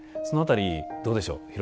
その辺りどうでしょう？